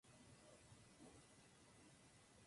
Expresó oposición al shogunato con su naturaleza violenta.